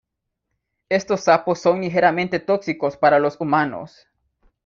Estos sapos son ligeramente tóxicos para los humanos.